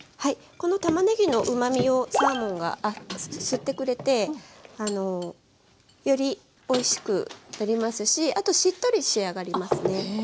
このたまねぎのうまみをサーモンが吸ってくれてよりおいしくなりますしあとしっとり仕上がりますね。